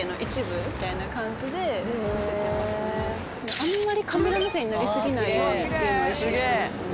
あんまりカメラ目線になりすぎないようにっていうのを意識してますね。